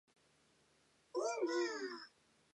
ガヤガヤ